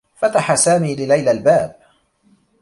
فتح سامي لليلى الباب.